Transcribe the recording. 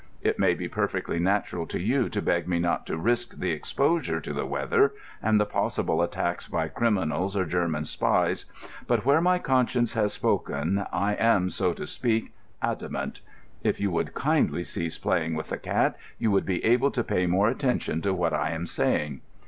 It may be perfectly natural to you to beg me not to risk the exposure to the weather, and the possible attacks by criminals or German spies, but where my conscience has spoken I am, so to speak, adamant, (if you would kindly cease playing with the cat, you would be able to pay more attention to what I am saying).